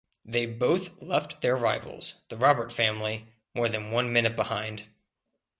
They both left their rivals, the Robert family, more than one minute behind.